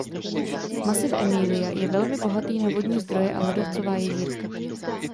Masiv Emilia je velmi bohatý na vodní zdroje a ledovcová jezírka.